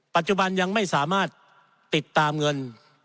ปัจจุบันยังไม่สามารถติดตามเงิน